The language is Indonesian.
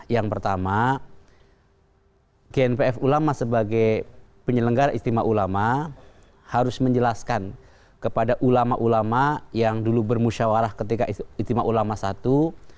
yang pertama gnpf ulama sebagai penyelenggara istimewa ulama harus menjelaskan kepada ulama ulama yang dulu bermusyawarah ketika istimewa ulama satu